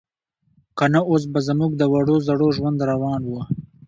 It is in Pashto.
که نه اوس به زموږ د وړو زړو ژوند روان و.